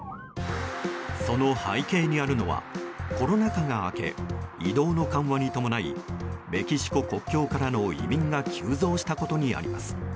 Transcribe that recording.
その背景にあるのはコロナ禍が明け移動の緩和に伴いメキシコ国境からの移民が急増したことにあります。